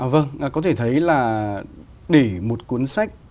vâng có thể thấy là để một cuốn sách